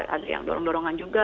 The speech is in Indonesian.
ada yang dorong dorongan juga